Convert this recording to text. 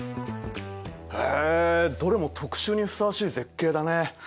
へえどれも特集にふさわしい絶景だね。